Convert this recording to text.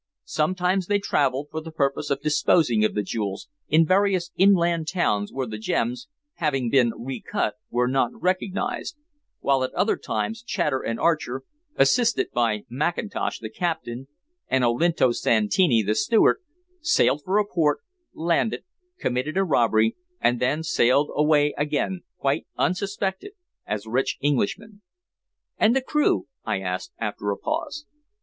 Sometimes they traveled for the purpose of disposing of the jewels in various inland towns where the gems, having been recut, were not recognized, while at other times, Chater and Archer, assisted by Mackintosh, the captain, and Olinto Santini, the steward, sailed for a port, landed, committed a robbery, and then sailed away again, quite unsuspected, as rich Englishmen." "And the crew?" I asked, after a pause.